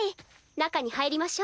中に入りましょう。